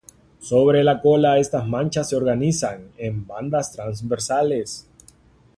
Sobre la cola estas manchas se organizan en bandas transversales.